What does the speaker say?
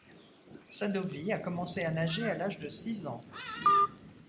Sadovy a commencé à nager à l'âge de six ans.